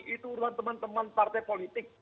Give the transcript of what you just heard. itu urusan teman teman partai politik